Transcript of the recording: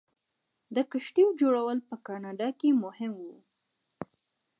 د کښتیو جوړول په کاناډا کې مهم و.